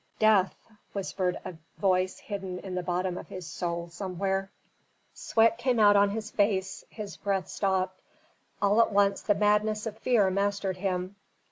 "Death!" whispered a voice hidden in the bottom of his soul somewhere. "Death?" Sweat came out on his face, his breath stopped. All at once the madness of fear mastered him.